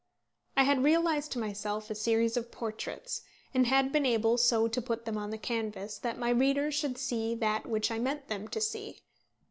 I had realised to myself a series of portraits, and had been able so to put them on the canvas that my readers should see that which I meant them to see.